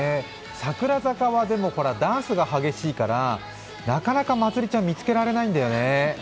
櫻坂はダンスが激しいからなかなかまつりちゃん、見つけられないんだよね。